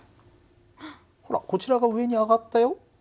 ほらこちらが上に上がったよ。